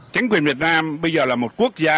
chính quyền việt nam bây giờ là một quốc gia